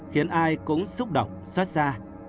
khiến ai cũng xúc động xót xa